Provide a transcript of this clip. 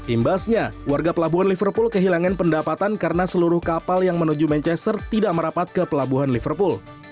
imbasnya warga pelabuhan liverpool kehilangan pendapatan karena seluruh kapal yang menuju manchester tidak merapat ke pelabuhan liverpool